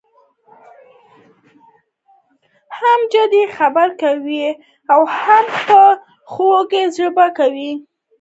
هم جدي خبره کوي او هم یې په خوږه ژبه کوي.